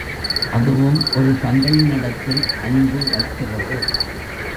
அதுவும் ஒரு தந்தையினிடத்தில் அன்பு வைக்கிறது.